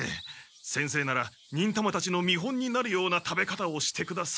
「先生なら忍たまたちの見本になるような食べ方をしてください」と。